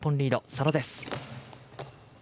佐野です。